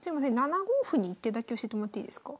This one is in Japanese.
７五歩に１手だけ教えてもらっていいですか？